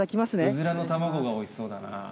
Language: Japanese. ウズラの卵がおいしそうだな。